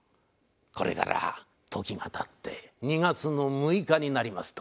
これから時が経って２月の６日になりますと。